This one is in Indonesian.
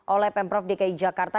oleh pemprov dki jakarta